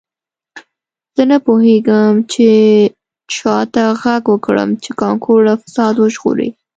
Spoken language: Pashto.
زه نه پوهیږم چې چا ته غږ وکړم چې کانکور له فساد وژغوري